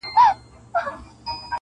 • پښتو متلونه -